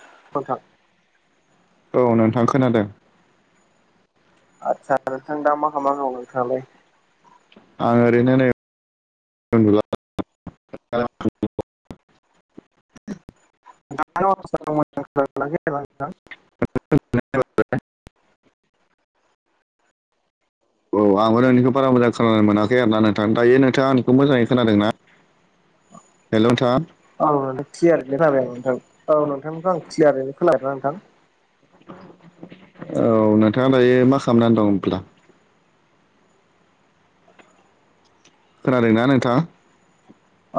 औ नोंथां औ नोंथां खोनादों आदसा नोंथां दा मा खालामना दं नोंथाङालाय? आं ओरैनो नै उनदुला [unintelligible] [unintelligible] औ आंबो नोंनिखौ बारा मोजां खोनानो मोनाखै आरो ना नोंथां। दायो नोंथाङा आंनिखौ मोजाङै खोनादों ना? हेल' नोंथा? औ क्लियारलि खोनाबाय आं नोंथां औ नोंथांखौ आं क्लियारलि खोनाबाय नोंथां। औ नोंथाङा दायो मा खालामनानै दं होनब्ला? खोनादोंना नोंथा?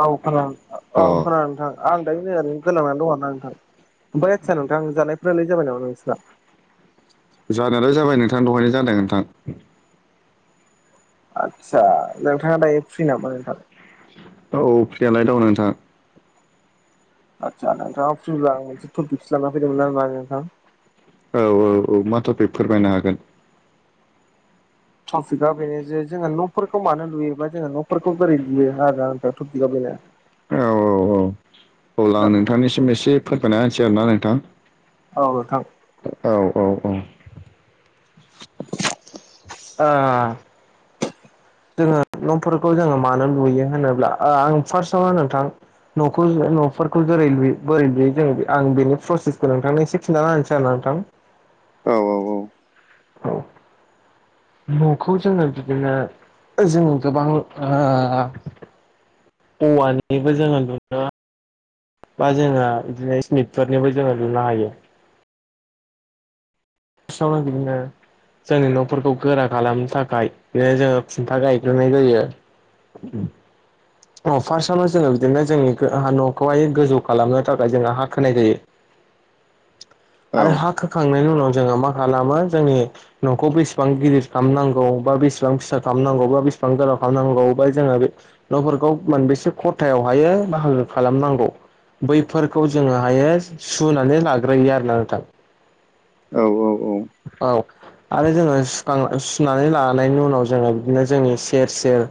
औ खोनादों नोथां अ औ खोनादों नोंथां आं दायो ओरैनो गोलांनानै दङ आरोना नोंथां। ओमफ्राय आतसा नोंथां जानायफोरालाय जाबाय नामा नोंस्रा? जानोलाय जाबाय नोंथां दहायनो जादों नोंथां। आदसा नोंथाङा दायो फ्रि नामा नोंथां? औ फ्रियालाय दा नोंथां। आदसा नोंथाङा फ्रिब्ला आ मोनसे टपिक्स लानानै फैदोंमोन ना नोंथां औ औ औ माथ' बे फोरमायनो हागोन। औ टपिकआ बेनो जे जोङो न'फोरखौ मानो लुयोबा जोङो न'फोरखौ बोरै लुयो आरो ना टपिकआ बेनो औ औ औ अब्ला आं नोंथांनिसिम एसे फोरमायना होनोसै आरोना नोंथां। औ नोंथां। औ औ औ ओ जोङो न'फोरखौ जोङो मानो लुयो होनोब्ला ओ आं फार्स्टआवनो नोंथां न'खौ न'फोरखौ जोरै लु बोरै लुयै जोङो आं बेनि प्रसेसखौ नोंथांनो एसे खिन्थाना होनोसै आरो ना नोंथां। औ औ औ औ [inaudible] न'खौ जोङो बिदिनो जोङो गोबां ओ औवानिबो जोङो लुनो बा जोङो बिदिनो सिमेन्टफोरनिबो जोङो लुनो हायो। स' बिदिनो जोंनि न'फोरखौ गोरा खालामनो थाखाय बे जोङो खुन्था गायग्रोनाय जायो। उ [unintelligible] अ फार्स्टआवनो जोङो बिदिनो जोंनि न'खौहाय गोजौ खालामनो थाखाय जोंहा हा खोनाय जायो। [inaudible] औ आरो हा खोखांनायनि उनाव जोङो मा खालामो जोंनि न'खौ बेसेबां गिदिर खालामनांगौ बा बेसेबां फिसा खालामनांगौ बा बेसेबां गोलाव खालामनांगौ बा जोङो बे न'फोरखौ मोनानबेसे खथायावहायो बाहागो खालामनांगौ बैफोरखौ जोङोहायो सुनानै लाग्रोयो आरोना नोंथां। औ औ औ औ आरो जोङो सुखां सुनानै लानायनि उनाव जोङो बिदिनो जोंनि सेर सेर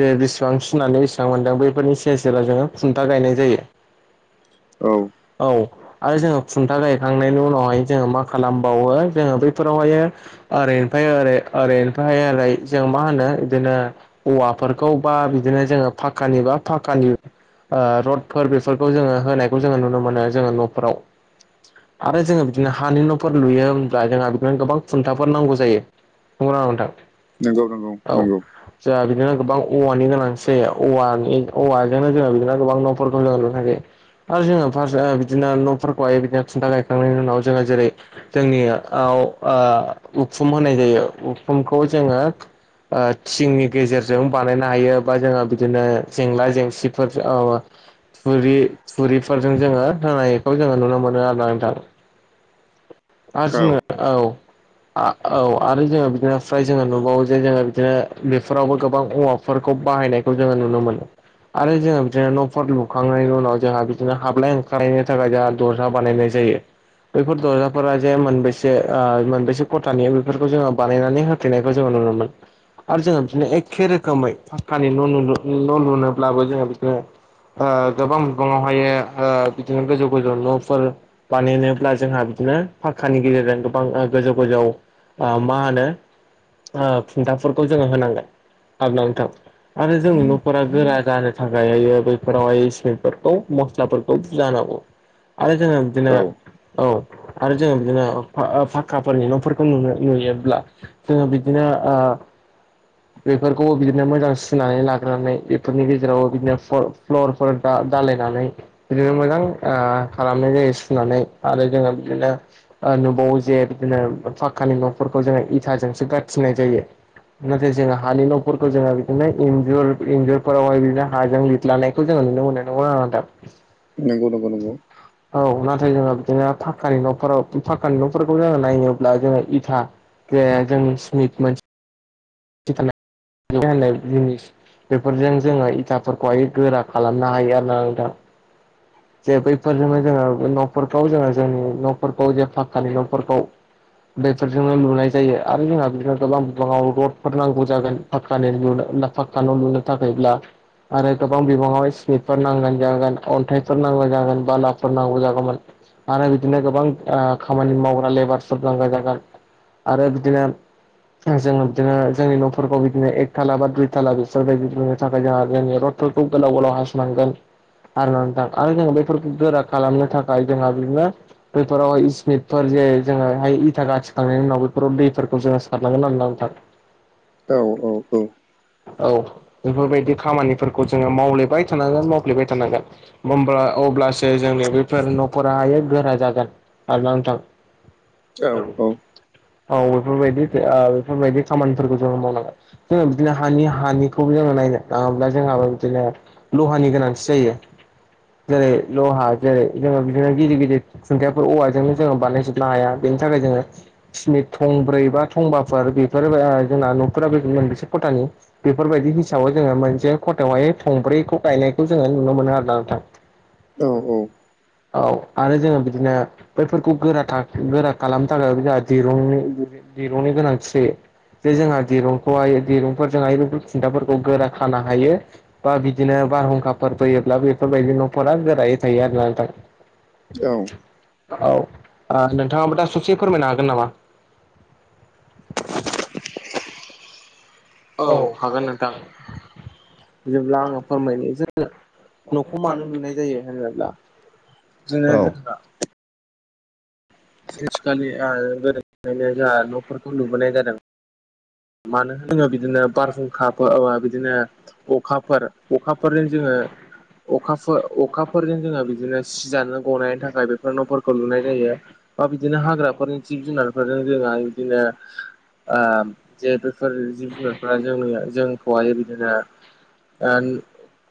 बे बेसेबां सुनानै बेसेबां मोनदों बैफोरनि सेर सेराव जोङो खुन्था गायनाय जायो। औ औ आरो जोङो खुन्था गायखांनायनि उनावहाय जोङो मा खालामबावो जोङो बैफोरावहायो ओरैनिफ्राय ओरै ओरैनिफ्राय ओरै जों मा होनो बिदिनो औवाफोरखौ बा बिदिनो जोङो फाकानि बा फाकानि रडफोर बेफोरखौ जोङो होनायखौ जोङो नुनो मोनो जोङो न'फोराव आरो जोङो बिदिनो हानि न'फोर लुयो होमब्ला जोंहा बिदिनो गोबां खुन्थाफोर नांगौ जायो। बुं नोंथां नंगौ नंगौ औ नंगौ जोंहा बिदिनो गोबां औवानि गोनां ए औवानि औवाजोंनो जोङो बिदिनो गोबां न'फोरखौ जोङो नुनो थाखायो आरो जोङो फार्स्ट बिदिनो न'फोरखौहाय बिदिनो खुन्था गायखांनायनि उनाव जोङो जेरै जोंनियाव उखुम होनाय जायो उखुमखौ जोङो थिंनि गेजेरजों बानायनो हायो। बा जोङो बिदिनो जेंला जेंसिफोर औ ओ थुरि थुरिफोरजों जोङो होनायखौ जोङो नुनो मोनो आरो नोंथां। आरो जोङो औ औ आरो जोङो बिदिनो फ्राय जोङो नुबावो जे जोङो बिदिनो बेफोरावबो गोबां औवा फोरखौ बाहायनायखौ जोङो नुनो मोनो। आरो जोङो बिदिनो न'फोर लुखांनायनि उनाव जोंहा बिदिनो हाबलाय ओंखारलायनि थाखाय जोंहा दजा बानायनाय जायो बेैफोर दजा फोर जे मोनबेसे मोनबेसे खथानि बेफोरखौ जोङो बानायनानै होफैेनायखौ जोङो नुनो मोनो। आरो जोङो बिदिनो एखे रोखोमै पाखक्कानि न' न' लुनोब्लाबो जोङो बिदिनो गोबां बिबाङावहायो बिदिनो गोजौ गोजौ न'फोर बानायनायफ्रा जोंहा बिदिनो पाखक्कानि गेजेरजों गोबां गोजौ गोजौ मा होनो खुन्थाफोरखौ जोङो होनांगोन। आनथां आरो जों न'फोरा गोरा जानो थाखाय हायो बैफोरावहाय सिमेन्टफोरखौ मस्लाफोरखौ बुर्जा होनांगौ। आरो जोङो बिदिनो, औ औ। आरो जोङो बिदिनो पा-पाक्का फोरनि न'फोरखौ नुयो-नुयोब्ला जोङो बिदिनो ओ [unintelligible] बेफोरखौबो बिदिनो मोजां सुनानै लाग्रोनानै। बेफोरनि गेजेरावबो बिदिनो फ्ल'-फ्लरफोर दा-दालायनानै बिदिनो मोजां ओ खालामनाय जायो सुनानै आरो जोङो बिदिनो नुबावो जे बिदिनो फाखकानि न'फोरखौ जोङो इथाजोंसो गाथिनाय जायो। नाथाय जोङो हानि न'फोरखौ जोङो बिदिनो इन्जुर-इन्जुरफोरावहाय बिदिनो हाजों लिरलानाय खौ जोङो नुनो मोनो। नंगौना नङा नोंथां? [inaudible] नंगौ नंगौ नंगौ। औ। नाथाय जोङो बिदिनो पा फाखकानि न'फोराव फाखकानि न'फोरखौ जोङो नायोब्ला जोङो इथा जे जों स्मिथ मोनसे [unintelligible] बेफोरजों जोङो इथाफोरखौहाय गोरा खालामनो हायो आरो ना नोंथां। जे बैफोरजोंनो जोङो न'फोरखौ जोङो जोंनि न'फोरखौ जे फाख्कानि न'फोरखौ बेफोरजोंनो लुनाय जायो आरो जोंहा बिदिनो गोबां बिबाङाव रडफोर नांगौ जागोन। पाक्क नि लुनो पाक्का न' लुनो थाखायब्ला। आरो गोबां बिबाङाव स्मिटफोर नांगोन जागोन अन्थाइ फोर नांगौ जागोन। बालाफोर नांगौ जागौमोन। आरो बिदिनो गोबां खामानि मावग्रा लेबारफोर नागौ जागोन। आरो बिदिनो जोङो बिदिनो जोंनि न'फोरखौ बिदिनो एक थाला बा दुइ थाला बिसोरबायायदि नुनो थाखाय जोंहा जोंनि रड फोरखौ गोलाव गोलाव हासनांगोन आरो ना नोंथां। आरो जों बेफोरखौ गोरा खालामनो थाखाय जोंहा बिदिनो बोयफोरावहाय इसमिटफोर जे जोङोहाय इथा गाथिखांनायनि उनाव बेफोराव दैफोरखौ जोङो सारनांगोन आरोना नोंथां। औ औ औ। औ। बेफोरबायदि खामानिफोरखौ जोङो मावलेबाय थानांगोन मावफ्लेबाय थानांगोन। होमबा अब्लासो जोंनि बेफोर न'फोरा हाय गोरा जागोन। आरोना नोंथां। औ। औ बेफोरबायदि ओ बेफोरबायदि खामानिफोरखौ जोंङो मावनांगोन। बिदिनो हानि हानिखौबो जोङो नायनो थाङोब्ला जोंहाबो बिदिनो लहानि गोनांथि जायो। जेरै ल'हा जेरै जोंङो बिदिनो गिदिर गिदिर खुंन्थायाफोर औवाजों जोङो बानायजोबनो हाया। बेनि थाखाय जोङो स्मिट थंब्रै बा थंबाफोर बेफोर जोंना न'फोरा बे मोनबेसे खथानि बेफोरबायदि हिसाबै जोङो मोनसे खथायावहाय थंब्रैखौ गायनायखौ जोङो नुनो मोनो आरोना नोंथां। औ औ। औ आरो जोङो बिदिनो बैफोरखौ गोराथा गोरा खालामनो थाखाय जोंहा दिरुं-दिरुंनि गोनांथि जायो। जे जोंहा दिरुंखौहाय दिरुंफोरजोंहाय बेफोर खुन्थाफोरखौ गोरा खानो हायो। बा बिदिनो बारहुंखाफोर फैयोब्ला बेफोरबायदि न'फोरा गोरायै थायो आरोना नोंथां। औ। औ। ओ नोंथाङाबो दा ससे फोरमायनो हागोन नामा? औ औ हागोन नोंथां हागोन। जेब्ला आङो फोरमायनो जोङो न'खौ मानो लुनाय जायो होनोब्ला जोंङो औ जोंहा थ्रिसखालि ओ गोदोनिफायनो जोंहा न'फोरखौ लुबोनाय जादों। मानो होनो बिदिनो बारहुंखा [unintelligible] बिदिनो अखाफोर अखाफोरजों जोङो अखाफो अखाफोरजों जोङो बिदिनो सिजानो गनायनि थाखाय बेफोर न'फोरखौ लुनाय जायो बा बिदिनो हाग्राफोरनि जिब जु जुनारफोरजों जोङो बिदिनो ओ जे बेफोर जिब जुनारफोरा जोंनि जोंखौहाय बिदिनो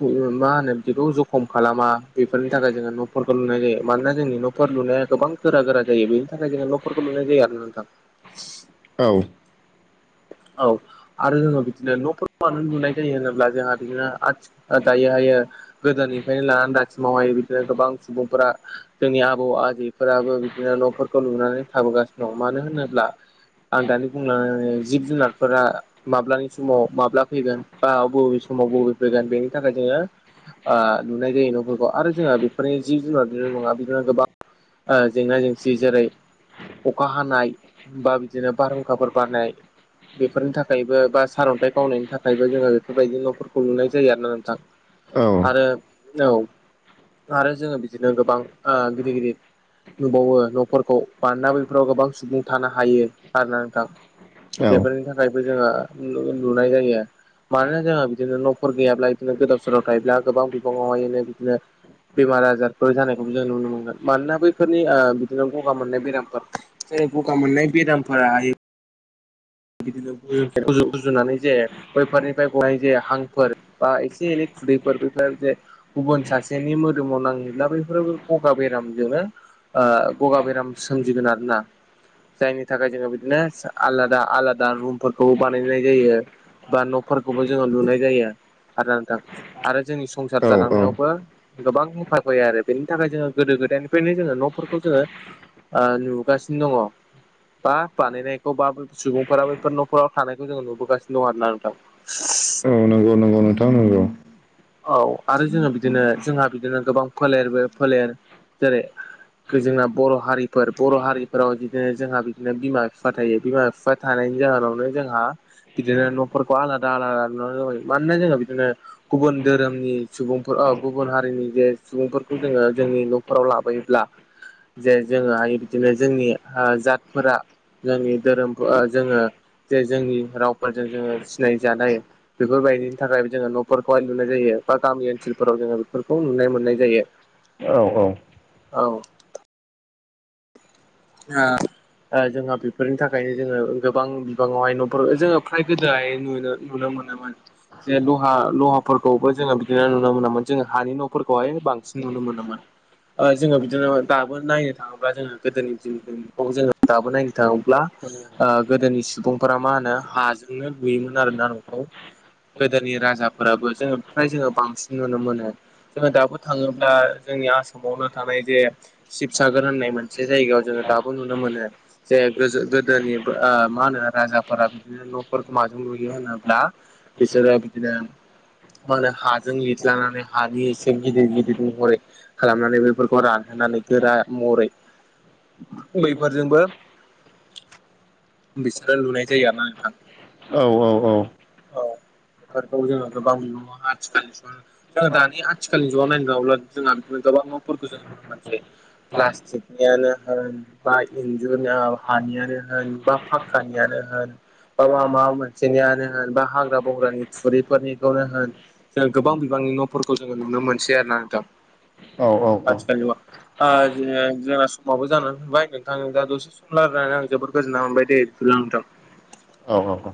ओ मा होनो बिदिखौ जखम खालामा बेफोरनि थाखाय जोङो न'फोरखौ लुनाय जायो मानोना जोंनि न'फोर लुनाया गोबां गोरा गोरा जायो बेनि थाखाय जोङो न'फोरखौ लुनाय जायो आरो नोंथां। औ औ आरो जोङो बिदिनो न'फोरखौ मानो नुनाय जायो होनोब्ला जोंहा बिदिनो आथि ओ दायो हायो गोदोनिफ्रायनो लानानै दासिमावहायो बिदिनो गोबां सुबुंफोरा जोंनि आबौ आजैफोराबो बिदिनो न'फोरखौ लुयो नानै थाबोगासिनो दं मानो होनोब्ला आं दानि बुंलानानै जिब जुनारफोरा माब्लानि समाव माब्ला फैगोन बा बबे समाव बबे फैगोन बेनि थाखाय जोङो ओ लुनाय जायो न'फोरखौ आरो जोंहा बेफोरनि जिब जुनार निल' नङा बिदिनो गोबां ओ जेंना जेंसि जेरै अखा हानाय बा बिदिनो बारहुंखाफोर बारनाय बेफोरनि थाखायबो बा सारन्थाइ गावनायनि थाखायबो जोङो बेफोरबायदि न'फोरखौ लुनाय जायो आरो ना नोंथां। आरो औ आरो जोङो बिदिनो गोबां ओ गिदिर गिदिर लुबावो न'फोरखौ मानोना बैफोराव गोबां सुबुं थानो हायो आरोना नोंथां। बेफोरनि थाखायबो जोङो न' लुनाय जायो। मानोना जोंहा बिदिनो न'फोर गैयाब्ला बिदिनो गोदाव सोराव थायोब्ला गोबां बिबाङावहायनो बिदिनो बेमार आजारफोर जानायखौबो जों नुनो मोनगोन मानोना बैफोरनि ओ बिदिनो गगा मोननाय बेरामफोर जे गगा मोननाय बे बेरामफोरा बिदिनो गुज-गुज-गुजुनानै जे बैफोरनिफ्राय गनाय जे हांफोर बा एसे एनै खुदैफोर बैफोर जे गुबुन सासेनि मोदोमाव नाहैब्ला बेफोरो गगा बेरामजोंनो ओ गगा बेराम सोमजिगोन आरो ना जायनि थाखाय जोङो बिदिनो आलादा आलादा रुमफोरखौबो बानायनाय जायो। बा न'फोरखौबो जोङो लुनाय जायो आदथां आरो जोंनि संसार औ जालांनायावबो गोबां हेफाब होयो आरो बेनि थाखाय जोङो गोदो गोदायनिफ्रायनो जोङो न'फोरखौ जोङो ओ नुगासिनो दङ' बा बानायनायखौ बाबो सुबुं फोरा बैफोर न'खराव थानायखौ जोङो नुबोगासिनो दं आरोना नोंथां औ नंगौ नं औ नोंथां नंगौ औ आरो जोङो बिदिनो जोंहा बिदिनो गोबां फोलेरबो फोलेर जेरै जोंना बर' हारिफोर बर' हारिफोराव बिदिनो जोंहा बिदिनो बिमा बिफा थायो बिमा बिफा थानायनि जाहोनावनो जोंहा बिदिनो न'फोरखौ आलादा आलादा नुनानै होबाय मानोना जोङो बिदिनो गुबुन धोरोमनि सुबुंफोर ओ गुबुन हारिनि जे सुबुंफोरखौ जोङो जोंनि न' फोराव लाबोयोब्ला जे जोङोहाय बिदिनो जोंनि ओ जातफोरा जोंनि धोरोम ओ जोङो जे जोंनि रावफोरजों जोङो सिनाय जानाय बेफोरबायदिनि थाखायबो जोङो न'फोरखौहाय लुनाय जायो बा गामि ओनसोलफोराव जोङो बेफोरखौ नुनाय मोननाय जायो औ औ औ आ ओ जोंहा बेफोरनि थाखायनो जोङो गोबां बिबाङावहाय न'फोर जोङो फ्राय गोदोहाय नुनो नुनो मोनो मोन जे दहा लहाफोरखौबो जोङो बिदिनो नुनो मोनामोन जोङो हानि न'फोरखौहाय बांसिन नुनो मोनोमोन। ओ जोङो बिदिनो दाबो नायनो थाङो बा जोङो गोदोनि दिननिखौ नखौ जोङो दाबो नायनो थाङोब्ला ओ गोदोनि सुबुंफोरा मा होनो हाजोंनो लुयोमोन आरोना न'खौ। गोदोनि राजाफोराबो जोङो फ्राय जोङो बांसिन नुनो मोनो। जोङो दाबो थाङोब्ला जोंनि आसामावनो थानाय जे शिबसागर होननाय मोनसे जायगायाव जोङो दाबो नुनो मोनो जे गोजो-गोदोनि ओ मा होनो राजाफोरा बिदिनो न'फोरखौ माजों लुयो होनोब्ला बिसोरो बिदिनो मा होनो हाजों लिरलानानै हानि एसे गिदिर गिदिर महरै खालामनानै बेफोरखौ रानहोनानै गोरा महरै बैफोरजोंबो बिसोरो लुनाय जायो आरोना नोंथां। औ औ औ औ बेफोरखौ जोङो गोबां बिबाङाव आथिखाल सन जोङो दानि आथिखालनि ज' नायनो नङला जोंहा बिदिनो गोबां न'फोरखौ जों नुनो मोनसै। प्लास्टिक हानियानो होन बा इन्जुर हानियानो होन बा फक्कानियानो होन बा माबा मोनसेनियानो होन बा हाग्रा बंग्रानि थुरिफोरनिखौनो होन जों गोबां बिबांनि न'फोरखौ जोङो नुनो मोनसै आरो ना नोंथां। औ औ आथिखाल जुगाव ओ जेरै जोंना समाबो जानानै फैबाय नोंथां दा दसे सम रायनानै आं जोबोद गोजोन्नाय मोनबाय दे बिदिब्ला नोंथां औ औ